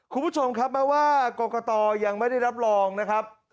คุณผู้ชมครับแม้ว่ากรกตยังไม่ได้รับรองนะครับ